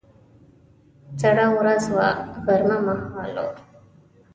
سړه ورځ وه، غرمه مهال و.